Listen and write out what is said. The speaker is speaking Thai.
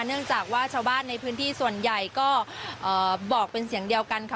เนื่องจากว่าชาวบ้านในพื้นที่ส่วนใหญ่ก็บอกเป็นเสียงเดียวกันค่ะ